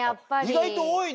意外と多いね。